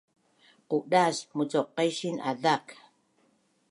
Qudas mucuqaisin azak